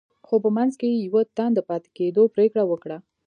خو په منځ کې يې يوه تن د پاتې کېدو پرېکړه وکړه.